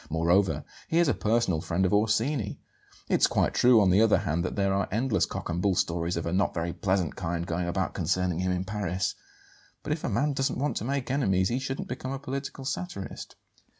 Moreover, he is a personal friend of Orsini. It's quite true, on the other hand, that there are endless cock and bull stories of a not very pleasant kind going about concerning him in Paris; but if a man doesn't want to make enemies he shouldn't become a political satirist."